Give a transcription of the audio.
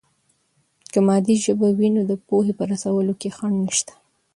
که مادي ژبه وي، نو د پوهې په رسولو کې خنډ نشته.